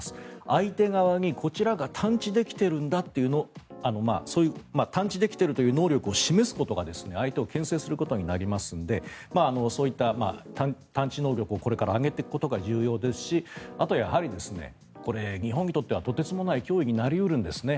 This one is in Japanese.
相手側にこちらが探知できてるんだというのをそういう探知できているという能力を示すことが相手をけん制することになりますのでそういった探知能力をこれから上げていくことが重要ですしあとはやはり日本にとってはとてつもない脅威になり得るんですね。